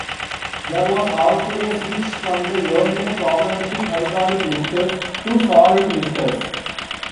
There was also a switch from the earlier problematic hydraulic lifters to solid lifters.